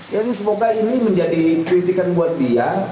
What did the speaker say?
jadi semoga ini menjadi kritikan buat dia